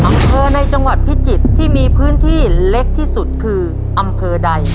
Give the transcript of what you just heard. อำเภอในจังหวัดพิจิตรที่มีพื้นที่เล็กที่สุดคืออำเภอใด